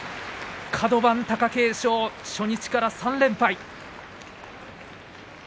カド番、貴景勝初日から３連敗。